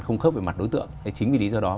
không khớp về mặt đối tượng hay chính vì lý do đó